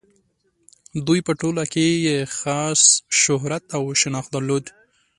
دوی په ټوله سیمه کې یې خاص شهرت او شناخت درلود.